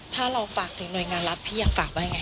ถ้าเราฝากถึงหน่วยงานรัฐพี่ยังฝากว่ายังไง